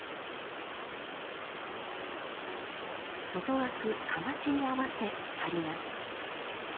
外枠「框」に合わせ貼ります。